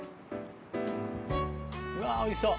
うわおいしそう。